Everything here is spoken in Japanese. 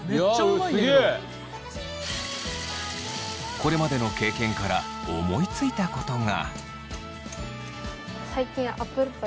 これまでの経験から思いついたことが。